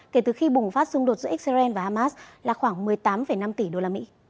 kể từ khi bùng phát xung đột giữa israel và hamas là khoảng một mươi tám năm tỷ usd